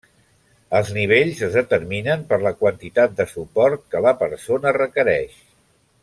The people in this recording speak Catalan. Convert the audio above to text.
Els nivells es determinen per la quantitat de suport que la persona requereix.